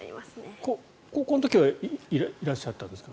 高校の時はいらっしゃったんですか？